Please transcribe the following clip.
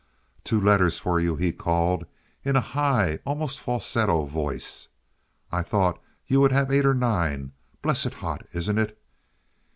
"Two letters for you," he called, in a high, almost falsetto voice. "I thought you would have eight or nine. Blessed hot, isn't it?"